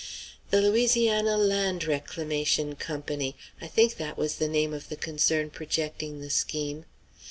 The Louisiana Land Reclamation Company, I think that was the name of the concern projecting the scheme.